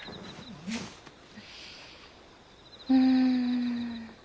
うん。